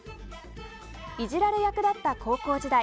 イジられ役だった高校時代。